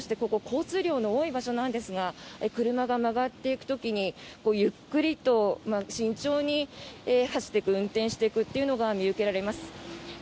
ここ、交通量が多い場所なんですが車が曲がっていく時にゆっくりと慎重に走っていく運転してくというのが見受けられます。